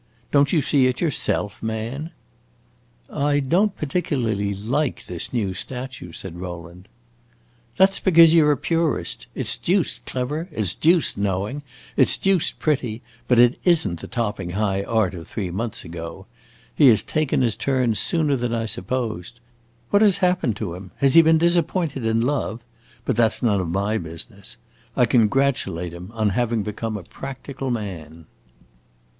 Don't you see it yourself, man?" "I don't particularly like this new statue," said Rowland. "That 's because you 're a purist. It 's deuced clever, it 's deuced knowing, it 's deuced pretty, but it is n't the topping high art of three months ago. He has taken his turn sooner than I supposed. What has happened to him? Has he been disappointed in love? But that 's none of my business. I congratulate him on having become a practical man."